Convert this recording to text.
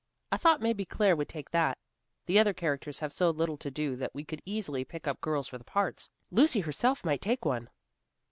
I thought maybe Claire would take that. The other characters have so little to do that we could easily pick up girls for the parts. Lucy herself might take one."